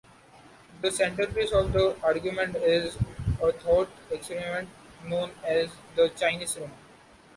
The centerpiece of the argument is a thought experiment known as the Chinese room.